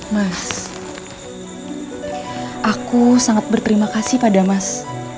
mas aku sangat berterima kasih pada mas